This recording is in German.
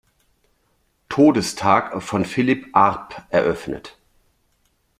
Todestag von Philip Arp eröffnet.